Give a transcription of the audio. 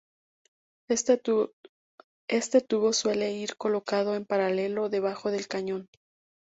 Este tubo suele ir colocado en paralelo debajo del cañón.